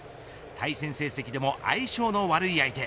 対戦成績でも相性の悪い相手。